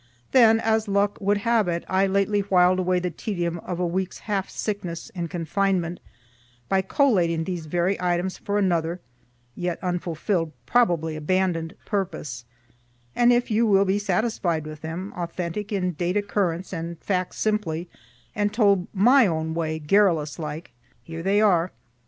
Then as luck would have it, I lately whiled away the tedium of a week's half sickness and confinement, by collating these very items for another (yet unfulfilled, probably abandon'd,) purpose; and if you will be satisfied with them, authentic in date occurrence and fact simply, and told my own way, garrulous like, here they are.